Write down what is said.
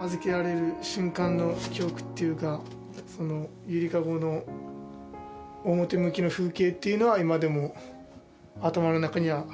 預けられる瞬間の記憶っていうか「ゆりかご」の表向きの風景っていうのは今でも頭の中にはあります。